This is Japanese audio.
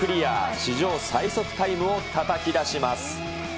史上最速タイムをたたき出します。